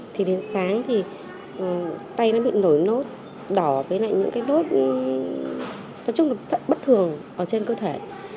thì đến sáng thì tay nó bị nổi nốt đỏ với lại những cái nốt nói chung là bất thường ở trên cơ thể